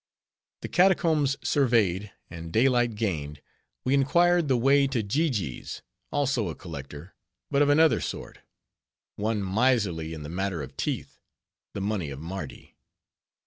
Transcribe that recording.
The catacombs surveyed, and day light gained, we inquired the way to Ji Ji's, also a collector, but of another sort; one miserly in the matter of teeth, the money of Mardi.